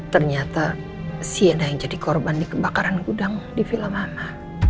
ternyata sienna yang jadi korban di kebakaran gudang di vila mama